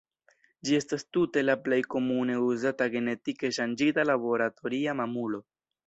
Ĝi estis tute la plej komune uzata genetike ŝanĝita laboratoria mamulo.